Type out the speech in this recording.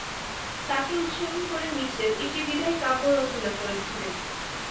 তাকে উৎসর্গ করে মিচেল একটি বিদায়ী কাব্য রচনা করেছিলেন।